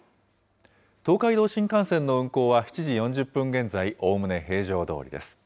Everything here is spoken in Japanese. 東海道新幹線の運行は７時４０分現在、おおむね平常どおりです。